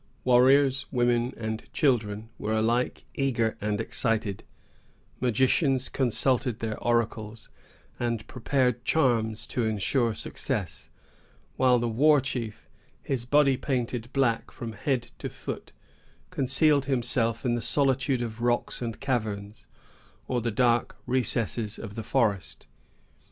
Warriors, women, and children were alike eager and excited; magicians consulted their oracles, and prepared charms to insure success; while the war chief, his body painted black from head to foot, concealed himself in the solitude of rocks and caverns, or the dark recesses of the forest.